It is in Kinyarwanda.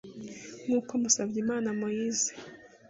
nk’uko Musabyimana Moise